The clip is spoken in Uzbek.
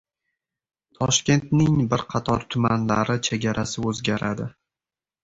Toshkentning bir qator tumanlari chegarasi o‘zgaradi